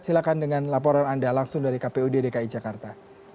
silahkan dengan laporan anda langsung dari kpud dki jakarta